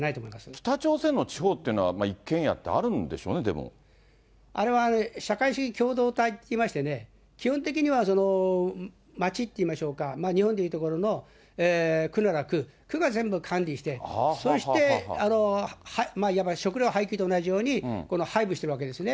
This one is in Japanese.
北朝鮮の地方というのは、一軒家ってあるんでしょうね、あれは社会主義共同体っていいましてね、基本的には町って言いましょうか、日本でいうところの区ならく、区が全部管理して、そしていわば食糧配給と同じように配布してるわけですね。